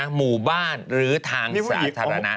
หมู่บ้านหรือทางสาธารณะ